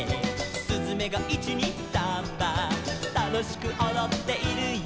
「すずめが１・２・サンバ」「楽しくおどっているよ」